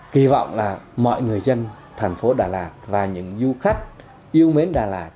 kỳ vọng là mọi người dân thành phố đà lạt và những du khách yêu mến đà lạt